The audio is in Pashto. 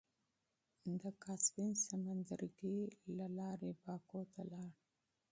د کاسپين سمندرګي له لارې باکو ته لاړ.